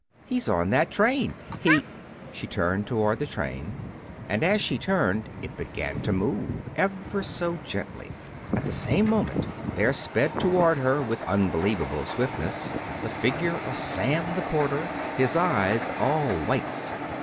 He's on that train. He " She turned toward the train. And as she turned it began to move, ever so gently. At the same moment there sped toward her, with unbelievable swiftness, the figure of Sam the porter, his eyes all whites.